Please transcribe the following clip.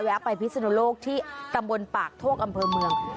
ไปพิศนุโลกที่ตำบลปากโทกอำเภอเมือง